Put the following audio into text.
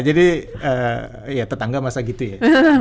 jadi tetangga masa gitu ya